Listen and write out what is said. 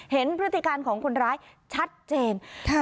เห็นพฤธิการของคนร้ายชัดเจนแทน